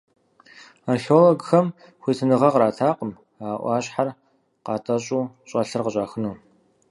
Археологхэм хуитыныгъэ къратакъым а Ӏуащхьэр къатӀэщӀу, щӀэлъыр къыщӀахыну.